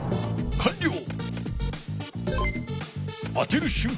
かんりょう！